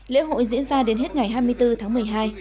lễ hội diễn ra đến hết ngày hai mươi bốn tháng một mươi hai